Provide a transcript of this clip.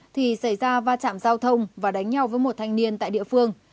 thì xảy ra va chạm giao thông và đánh nhau với một thanh niên tại địa phương